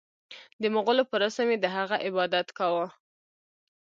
د مغولو په رسم یې د هغه عبادت کاوه.